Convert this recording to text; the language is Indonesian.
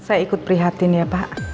saya ikut prihatin ya pak